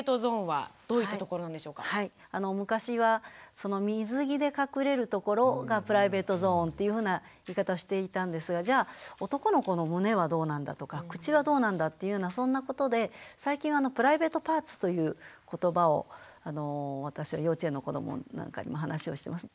昔は水着で隠れるところがプライベートゾーンっていうふうな言い方をしていたんですがじゃあ男の子の胸はどうなんだとか口はどうなんだっていうようなそんなことで最近は「プライベートパーツ」という言葉を私は幼稚園の子どもなんかにも話をしてます。